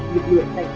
việc lượng thành pháp